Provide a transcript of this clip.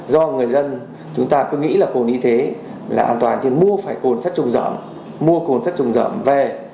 do người dân chúng ta cứ nghĩ là cồn y thế là an toàn nhưng mua phải cồn sắt chủng rẩm mua cồn sắt chủng rẩm về